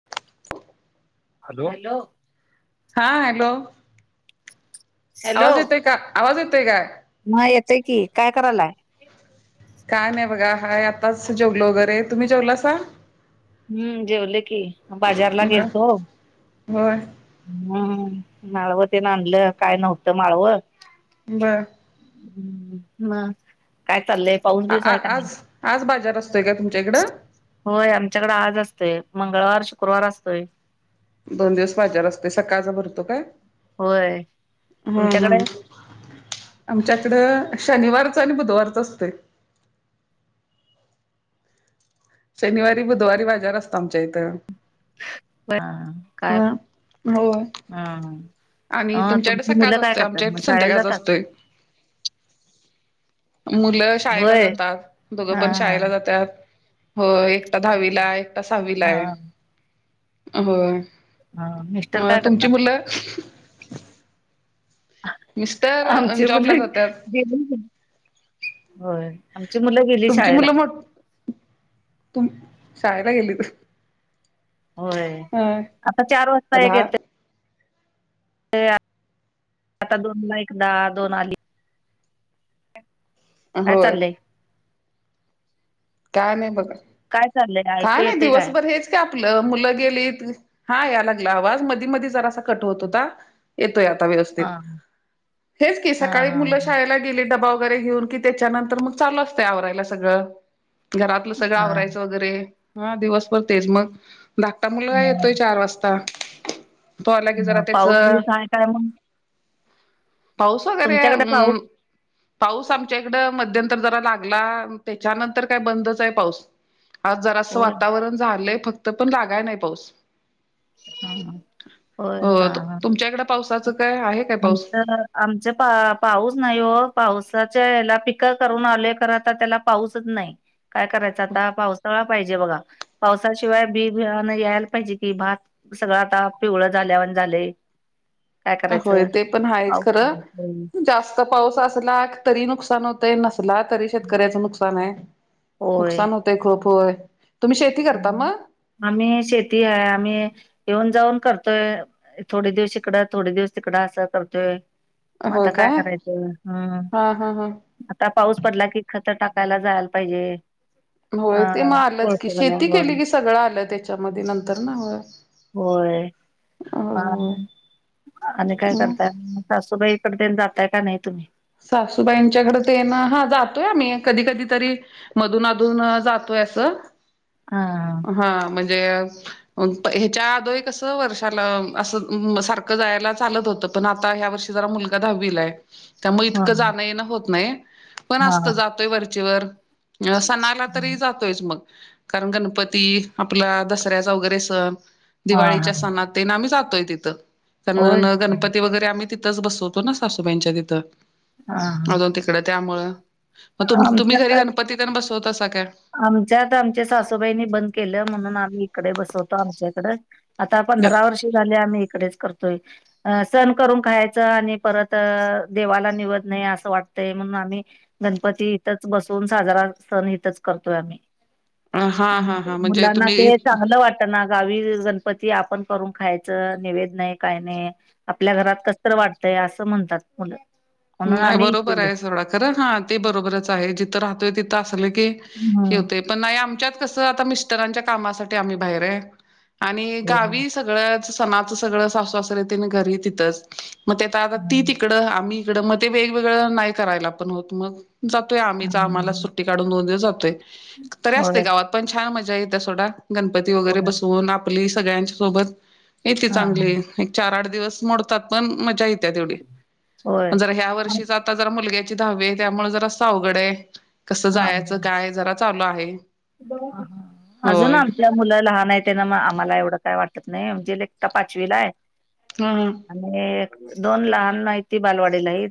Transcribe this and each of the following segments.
[inaudible] Hello, hello. हा hello आवाज येतोय काय? आवाज येतोय काय? म येतोय की, काय करायलाय? काय नाही बघा, हाय आताच जेवलो वगैरे, तुम्ही जेवला सा? हम्म, जेवले की बाजारला बर गेलतो. होय हम्म, माळवं ते ना आनलं काय नव्हत माळवत. बर. हम्म, मग? काय चाललंय? पाऊस आ बिऊस आ आहे का नाही? आज, आज बाजार असतोय का तुमच्या हिकडं? होय आमच्याकडे आज असतय मंगळवार, शुक्रवार असतोय. दोन दिवस बाजार असते सकाळचा भरतो काय? होय हम्म, तुमच्याकडे हम्म. आमच्याकडं शनिवारचा आणि बुधवारचा असतोय. शनिवारी, बुधवारी बाजार असतो आमच्या इथं. काय? ह होय हम्म. आणि अं तुमच्याकडे तुमची मुलं सकाळचा काय असतोय करतात आमच्या मग इकडे शाळेला संध्याकाळचा जातात? असतोय मुलं शाळेला होय जातात दोघं हा पण शाळेला जात्यात. हो एकटा दहावीला आहे, एकटा सहावीला हा आहे, होय हा मिस्टर अ काय तुमची करतात मुलं? मिस्टर आमची मुल जॉबला जातात. गेली होय, आमची मुलं गेली तुमची शाळेला. मुलं मोठ तुम, शाळेला गेलीत. होय, अ आता चार वाजता एक लहा येत ते [unintelligible] आता दोन ला एकनार दोन आली काय होय चाललंय? काय नाही बघा काय चाललंय का ऐकू नाही येते काय दिवसभर हेच ते आपलं मुलं गेली हा या लागला आवाज मधी मध जरा असा कट होत होता. येतोय आता व्यवस्थित. हा [inaudible] हेच की, हा सकाळी हा मुलं शाळेला गेली डबा वगैरे घेऊन की, त्याच्यानंतर मग चाल असते आवरायला सगळं. घरातलं सगळं हा आवरायचं वगैरे, हा दिवसभर तेच मग. धाकटा मुलग येतोय चार वाजता ता. [inaudible] तो आला की जरा हा पाऊस त्याचं [inaudible] बीस आहे काय मग पाऊस वगैरे तुमच्याकडे पाऊस अम पाऊस आमच्या इकडं, मध्यंतर जरा लागला. त्याच्यानंतर काय बंदच आहे पाऊस. आज जरा असं होय वातावरण झालंय फक्त. पण लागाय नाही पाऊस. हा [inaudible] होय हो. हा हा तुमच्याकड पावसाचं, काय आहे काय पाऊस? आमचं आमचे पा पाऊस नाही हो. पावसाच्या याला पिकं करून आलेय, खरं आता त्याला पाऊसच नाही. काय करायचं आता? पावसाळा पाहिजे बघा, पावसाशिवाय बी बियान यायला पाहिजे कि, भात सगळं आता, पिवळ झाल्यावरण झालंय. काय होय, करायचं ते पण आहेच पाऊस खरं. जास्त पाऊस असला तरी नुकसान होतंय, नसला तरी शेतकऱ्याच नुकसान आहे. होय नुकसान होतय खूप होय. तुम्ही शेती करता ना? आम्ही शेती आहे, आम्ही येऊन जाऊन करतोय थोडे दिवस इकडं, थोडे दिवस तिकडं, असं करतोय. मता काय करायच? हा हा हा. हम् [inaudible] ता पाऊस पडला की, खत टाकायला जायला पाहिजे. होय, ते हा मग आलंच की. कोळपला शेती होय केली की सगळं आलं त्याच्यामध्ये नंतर ना. होय. होय. हो आणि, आणि काय करताय सासूबाई? [unintelligible] जाताय का नाही तुम्ही? सासूबाईंच्याकडे ते ना, हा जातोय आम्ही. कधी कधीतरी मधून अधून अं जातोय असं. हा हा म्हणजे ह्याच्या आदोय कसं, वर्षाला असं सारखं जायला चालत होतं. पण आता ह्या वर्षी जरा मुलगा दहावीलाये. त्यामुळे हा इतकं जाणं येणं होत नाही. पण हा असतं जातोय वरच्यावर. सणाला तरी जातो तेच मग. कारण गणपती, आपला दसऱ्याचा वगैरे सण, हा हा दिवाळीच्या सणात. तेन आम्ही जातोय तिथं. होय. कारण गणपती वगैरे आम्ही तिथंच बसवतो ना, सासूबाईंच्या तिथं. हा हा अजून तिकडं त्यामुळं. मग तुम्ही घरी आमच्यात गणपती पण बसवता का? आमच्यात आमच्या सासूबाईनी बंद केलं. म्हणून आम्ही इकडे बसवतो आमच्याइकडं. आता पंधरा वर्ष झाले, आम्ही इकडेच करतोय. अ सण करून खायचं. आणि परत देवाला निवद नाही, असं वाटतंय म्हणून आम्ही गणपती इथंच बसून, साजरा सण इथंच करतोय आम्ही. हा हा हम्म हा म्हणजे मुलांना ते तुम्ही चांगलं वाट ना गावी गणपती, आपण करून खायचं. नेवैद नाही काय नाही. आपल्या घरात कसंतर वाटतयं, असं म्हणतात मुलं. म्हणून नाही आम्ही बरोबर इथले आहे सोडा. खरं हा, ते बरोबरच आहे, जिथं राहतोय तिथं असल की हे हम्म होतय. पण नाही, आमच्यात कसं, आता मिस्टरांच्या कामासाठी आम्ही बाहेर आहे. आणि गावी सगळंच सणाचं सगळं सासु सासर तेंन घरीच तिथंच. मग ते आता ती तिकडं, आम्ही इकडं. मग ते वेगवेगळं नाही करायला पण होत मग. जातोय आम्हीच. आम्हाला सुट्टी काढून दोन दिवस जातोय, तरी होय असतंय गावात पण छान मजा येत सोडा. गणपती वगैरे होय बसवून आपली सगळ्यांच्या सोबत येते हा चांगली. एक चार आठ दिवस मोडतात पण मजा येत्या तेवढ. होय जरा ह्या वर्षीच आता जरा मुलग्याची दहावीए त्यामुळ जरास अवघडाय कसं हा जायचं काय जरा चालू आहे. [unintelligible] अजून होय आपल मुलं लहानाय तेन म आमाला एवड काय वाटत नाई म्हणजे एकटा पाचवीलाय हम्म ह. आणि दोन लहान हाइत ती बालवाडीला हाइत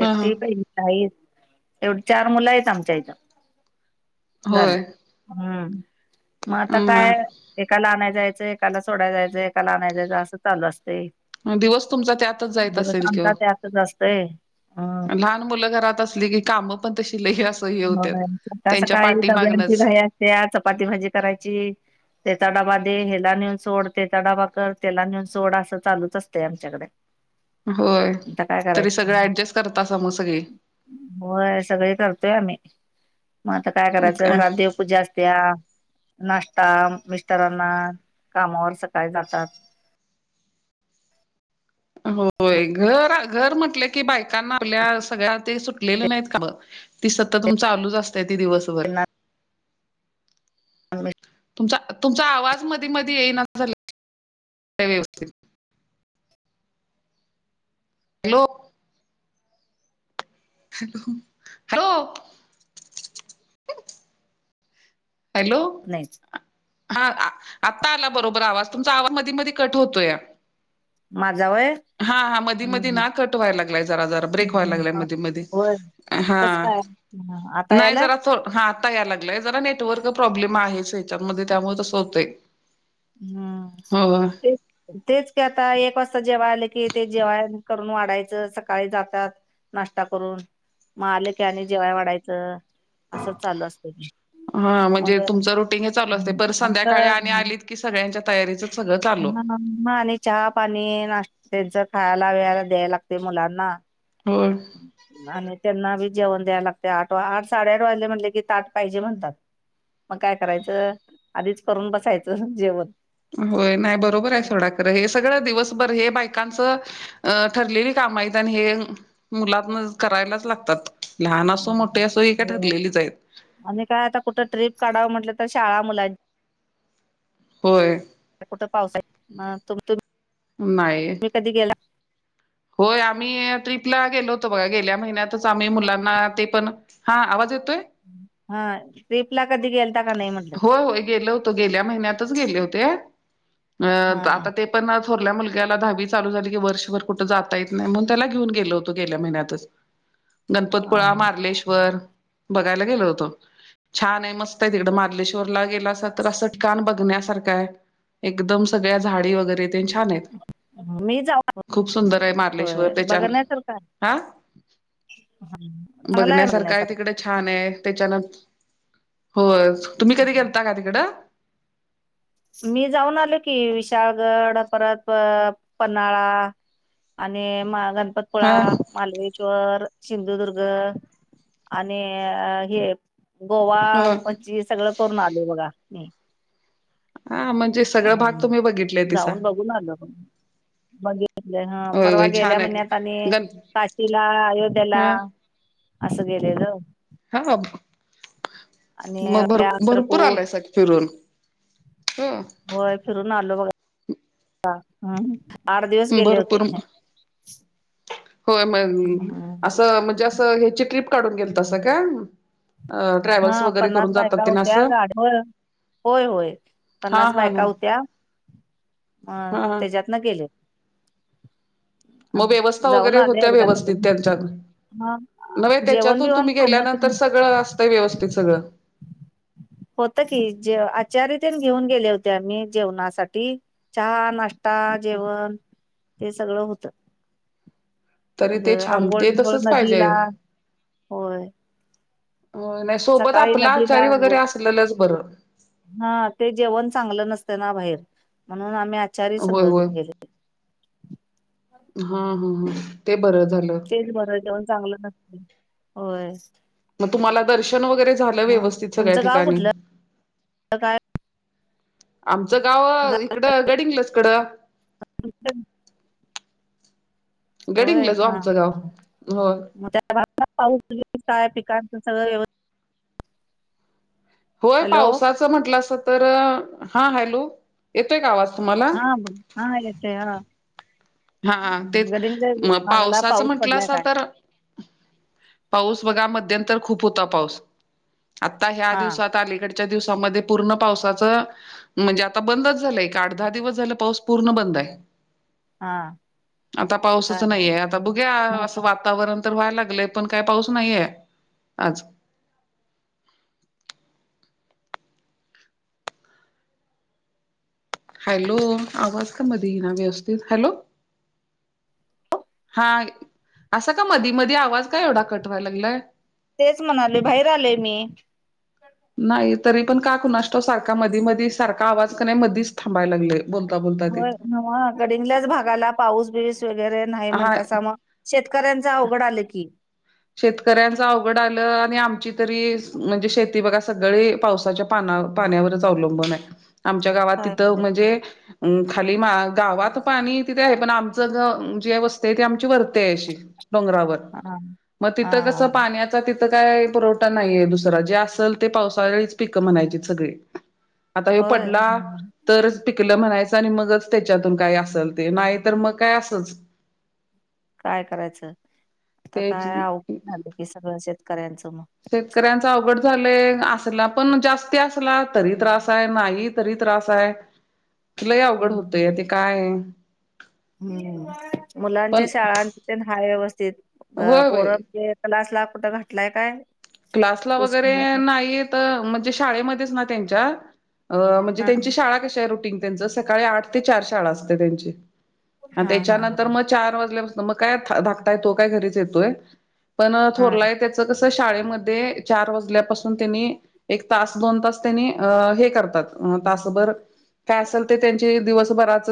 ह ह एकटी पहिली एवड चार मुलं हाइत आमच्या इत होय झालं हम्म म आता काय? हा एकाला आणाय जायचं एकाला सोडाय जायचं एकाला आणाय जायचं असं चालू असतय. दिवस तुमचा त्यातच जाइत असल की ओ आमचा त्यातच असतोय अ लाहान मुल घरात असली काम पण तशी लई हे असत्यात हो सकाळ सकाळी डब्यांची घाई असत्या चपाती भाजी करायची तेचा डबा दे हेला नेऊन सोड तेचा डबा कर तेला नेऊन सोड असं चालूच असतंय आमच्याकड. [inaudible] होय तरी सगळं ऍडजस्ट करतासा म सगळी. होय सगळी करतोय आमी म आता. काय करायचं घरात देवपूजा असत्या. नाष्टा मिस्टरांना कामावर सकाळी जातात. होय घर घर म्हटलं की बायकांना आपल्या सगळ्या ते सुटलेले नाइत काम. ती सतत म चालूच असतय ती दिवसभर. मिस्टर तुमचा तुमचा आवाज मदी मदी येईना. झाल काय व्यवस्थित. हॅलो! हॅलो! हॅलो! नाइच. हा आत्ता आला बरोबर आवाज तुमचा आवा मदी मदी कट होतोया माजा वय हा हा मदीमदी ना कट व्हायला लागलाय जरा जरा ब्रेक व्हाय लागलाय मदीमदी हा. हा आता नाही यालाय. जरा हा आता या लागलाय जरा नेटवर्क प्रॉब्लेम आहे हेच्यामदे त्यामुळ तसं हुतंय? हा ते. तेच की आता एक वाजता जेवाय आले की ते जेवाय करून वाडायचं सकाळी जातात. नाष्ता करून म आल की आणि जेवाय वाडायचं. असं चालू असतय हा म्हणजे मग तुमचं रुटीन हे चालू असतंय परत संध्याकाळी आणि आलीत की सगळ्यांच्या तयारीच सगळं चालू [unintelligible] चहा पाणी नाश् [inaudible] तेंच खायला बिळायला द्यायला लागतय मुलांना हो आण तेंना आदिच जेवन द्या लागतय आठ वा आट साडे आट वाजल म्हणल की ताट पाइजे म्हणतात मग काय करायचं आदिच करून बसायचं जेवण. होय नाय बरोबराय सोडा कर हे सगळं दिवसभर हे बायकांचं अ ठरलेली काम एत आणि हे मुलातन करायलाच लागतात. लहान असो मोठी असो ही काय ठरलेलीच एत आणि काय आता कुट ट्रीप काढावं म्हटलं तर शाळा मुलां होय [unintelligible] नाही तुम्ही कधी गेला होय आम्ही ट्रीपला गेलो होतो बघा गेल्या महिन्यातच आम्ही मुलांना ते पण हा आवाज येतोय हा ट्रीपला कधी गेलता का नाही म्हट होय हो गेलो होतं गेल्या महिन्यातच गेले होते अ हा आता ते पण थोरल्या मुलग्याला दहावी चालू झाली की वर्षभर कुठं जाता येत नाही म्हणून त्याला घेऊन गेल होतं गेल्या महिन्यातच [unintelligible] गणपतपुळा, मार्लेश्वर बघायला गेलो होतो छान आहे मस त आहे तिकडं मार्लेश्वरला गेलासा तर असं ठिकाण बघण्या सारखं आहे एकदम सगळ्या झाडी वगैरे तेन छान आहेत मी जाऊ खूप सुंदर आहे मार्लेश्वर त्याच्यान बघण्यासारखं आ आहे चांगलं बघण्यासारखा आहे बघण्यासारखं तिकडे छान आहे त्याच्यान होय तुम्ही कधी गेलता का तिकडं? मी जाऊन आलो की विशाळगड परत प पन्हाळा आणि म गणपत पूळा, हा मार्लेश्वर, सिंधुदुर्ग आणि हे गोवा हो पची सगळं करून आलोय बघा ह हा म आ जाऊन बघून आलो बघितले ह होय परवा होय गेल्या छान महिन्यात आहे आणि गण काशीला अयोध्येला हा असं गेलेलो हा आणि म भर भरपूर प्रयागत्रकूट आलायसा की फिरून ह होय फिरून आलो बघा हा भरपूर होय मग हम्म अस त म्हणजे अस ह्याची ट्रिप काढून गेलतासा काय अ ट्रॅव्हल्स हा वगैरे पन्नास करून जातात बायका तेन होत्या असं गाडीवर होय, होय हा पन्नास हा बायका हा होत्या अ हा हा त्याज्यात न गेले मग व्यवस्था जाऊन वगैरे आले होत्या एकदा व्यवस्थित त्यांच्या ह नव्हे जेवण त्याच्यातून बिवण तुम्ही गेल्या खाणं ते नंतर सगळं असतंय व्यवस्थित सगळं होत की जे आचारी तेन घेऊन गेले होते आम्ही जेवणासाठी चहा नाश ष्टा जेवण ते सगळं होतं तरी मग ते छान आंघोळ, ते बिंगोळ तसच पाहिजे नदीला होय होय नाही सोबत सकाळी आपलं नदीला आचारी वगैरे आंघोळ असलेलंच बरं हा ते जेवण चांगलं नसत ना बाहेर म्हणून आम्ही आचा होय, होय हा, हा ह ते बरं झालं तेच बर जेवण चांगल नसतय होय मग तुम्हाला दर्शन वगैरे झालं मग व्यवस्थित सगळ्या तुमचं गाव ठिकाणी कुठलं काय आमचं गाव इकडं गडहिंग्लज कडं होय गडिंगलज ओ हा, आमचं गाव हा होय [unintelligible] होय हॅलो पावसाचं म्हटलासा तर हा हॅलो येतोय का आवाज तुम्हाला हा ब हा येतय हा हा हम्म, तेच गडिंगलज म भागाला पावसाचं पाऊस पडलाय म्हटलासा काय तर पाऊस बघा मध्यंतर खूप होता पाऊस आता ह्या हा दिवसात अलीकडच्या दिवसामध्ये पूर्ण पावसाचं म्हणजे आता बंदच झालंय का आठ दहा दिवस झाला पाऊस पूर्ण बंद आहे. हा आता पाऊसच काय नाहीये आता बघुया मग असं आता- वातावरण तर व्हायला लागलं पण काही पाऊस नाहीये आज हॅलो आवाज का मधी ना व्यवस्थित हॅलो हा असं का मधी मधी आवाज काय एवढा कट वाया लागलाय? तेच म्हणाले बाहेर आले मी नाही तरी पण का कुणास ठाऊक सारखा मधी मधी सारखा आवाज कणी मधीच थांबायला लागलय होय नव्ह गडिंगलज भागाला पाऊस बीस वगैरे नाही हा म्हणतासा मग शेतकऱ्यांच अवघड आलं की शेतकऱ्यांच अवघड आलं आणि आमची तरी म्हणजे शेती बघा सगळी पावसाच्या पाना पाण्यावरच अवलंबून आहे आमच्या गावात काय तिथं करायचं म्हणजे अं खाली मा गावात पाणी तिथे आहे पण आमचं जे जी वस्ती आहे ती आमची वरती आहे अशी डोंगरावर [unintelligible] मग तिथं हा कसं पाण्यात आता तिथं काय पुरवठा नाहीये दुसरा जे असल ते पावसाळीच पिकं म्हणायचीत सगळी आता ह्यो होय पडला हा. तरच पिकलं म्हणायचं आणि मगच त्याच्यातून काही असल ते नाही तर मग काय असच काय करायचं आता ते काय आवगढ झाले कि सगळं शेतकऱ्यांचं मग शेतकऱ्यांचा अवघड झाले असला पण जास्ती असला तरी त्रास आहे नाही तरी त्रास आहे लय अवघड होतय हम्म ते काय हम्म मुलांच्या पण शाळांन तेन हाय व्यवस्थित होय होय पोर ते कलास ला कुठं घाटलाय काय? क्लासला वगैरे कृषी नाही त म्हणजे शाळेमध्येच ना त्यांच्या अ म्हणजे हा त्यांची शाळा कशी आहे रुटीन त्यांच सकाळी आठ ते चार शाळा असत्या त्यांची आण हा हा हा त्याच्यानंतर मग चार वाजल्यापासून मग काय धाकटा तो काय घरीच येतोय पण हा थोरलाय त्याच कस शाळेमध्ये चार वाजल्यापासून त्यांनी एक तास दोन तास तेनी अ अ अ हे करतात अ तासभर काय असल ते त्यानची दिवस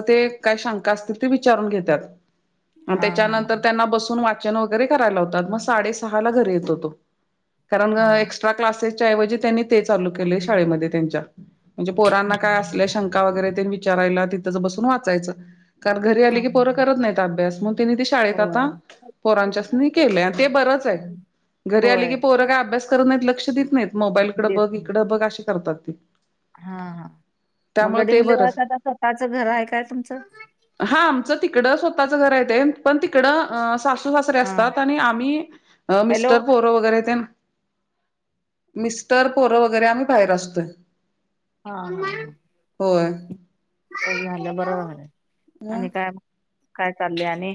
ते काय शंका असतील ते विचारून घेत्यात आण हा त्याच्यानंतर ते त्यांना बसून वाचन वगैरे करायला लावतात मग साडेसहा ला घरी येतो तो कारण हा एक्स्ट्रा क्लासेसच्या ऐवजी त्यांनी ते चालू केले शाळेमध्ये त्यांच्या. म्हणजे पोरांना हा काय असल्या शंका वगैरे तेन विचारायला तिथंच बसून वाचायचं कारण घरी आले की पोरं हा. करत नाहीत अभ्यास मग तेनी ती शाळेत होय आता पोरांच्यासनी केलंय आण ते बरंच हाय घरी आली की होय पोर काय आ अभ्यास करत नाहीत लक्ष देत नाहीत मोबाईलकड देत बघ इकड नाही. बघ आशी करतात हा हा मग त्यामुळे ते गडिंगलज बरंच [unintelligible] स्वतःच घर हाय काय तुमचं? हा आमचं तिकडं स्वतःच घर हाय ते पण तिकडं सासु- सासरे हा असतात आणि आम्ही हॅलो. मिस्टर पोरो वगैरे ते- मिस्टर, पोरं वगैरे आम्ही, बाहेर असतोय. हा, होय, झालं बरं, झालंय आणि काय, काय चाललं आणि,